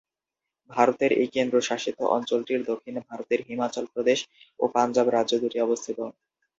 ভারতের এই কেন্দ্র শাসিত অঞ্চলটির দক্ষিণে ভারতের হিমাচল প্রদেশ ও পাঞ্জাব রাজ্য দুটি অবস্থিত।